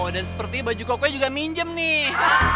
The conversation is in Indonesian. dan sepertinya baju kokonya juga minjem nih